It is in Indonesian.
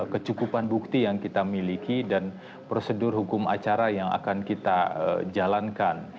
kecukupan bukti yang kita miliki dan prosedur hukum acara yang akan kita jalankan